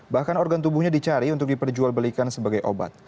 bahkan organ tubuhnya dicari untuk diperjual belikan sebagai obat